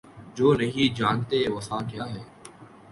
جو نہیں جانتے وفا کیا ہے